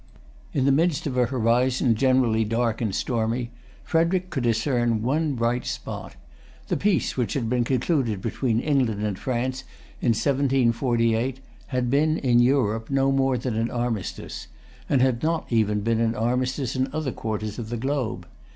In the midst of a horizon generally dark and stormy Frederic could discern one bright spot. The peace which had been concluded between England and France in 1748, had been in Europe no more than an armistice; and had not even been an armistice in the other quarters of the globe.